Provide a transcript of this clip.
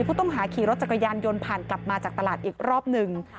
ผู้ต้องหาขี่รถจักรยานยนต์ผ่านกลับมาจากตลาดอีกรอบหนึ่ง